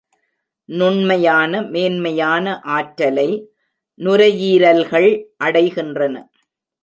நுண்மையான மேன்மையான ஆற்றலை நுரையீரல்கள் அடைகின்றன.